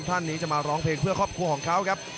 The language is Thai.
ท่านนี้จะมาร้องเพลงเพื่อครอบครัวของเขาครับ